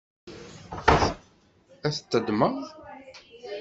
Ad t-teddmeḍ?